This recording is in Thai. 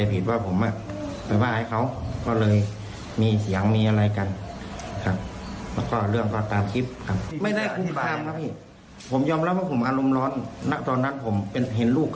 พี่ผมยอมรับว่าผมอารมณ์ร้อนนักตอนนั้นผมเป็นเห็นลูก